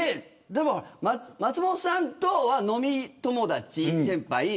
松本さんとは飲み友達先輩。